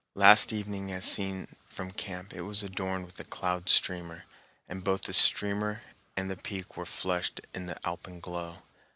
Last evening as seen from camp it was adorned with a cloud streamer, and both the streamer and the peak were flushed in the alpenglow.